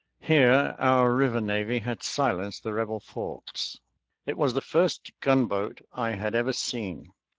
Here our river navy had silenced the Rebel forts. It was the first gunboat I had ever seen.